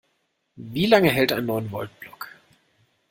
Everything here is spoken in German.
Wie lange hält ein Neun-Volt-Block?